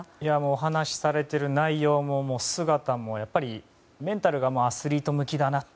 お話されている内容も姿もやっぱり、メンタルがアスリート向きだなと。